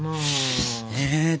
えっと。